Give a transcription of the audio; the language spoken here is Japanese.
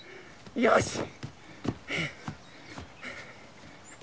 よし！